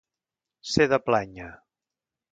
Ser de plànyer.